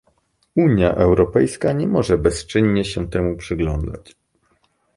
Unia Europejska nie może bezczynnie się temu przyglądać